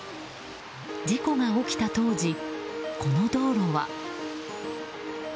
事故が起きた当時この道路は。